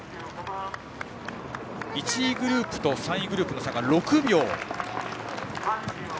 １位グループと３位グループの差が６秒。